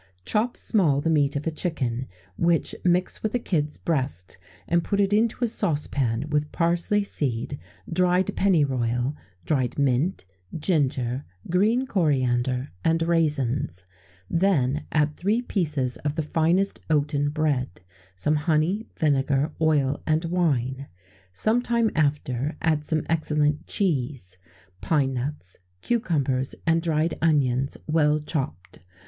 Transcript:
_ Chop small the meat of a chicken, which mix with a kid's breast, and put it into a saucepan with parsley seed, dried pennyroyal, dried mint, ginger, green coriander, and raisins; then add three pieces of the finest oaten bread, some honey, vinegar, oil, and wine; some time after, add some excellent cheese, pine nuts, cucumbers, and dried onions, well chopped.